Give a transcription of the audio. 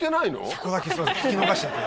そこだけすみません聞き逃しちゃって。